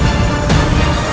ketika kanda menang kanda menang